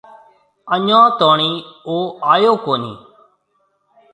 اَڃون توڻِي او آئيو ڪونھيَََ۔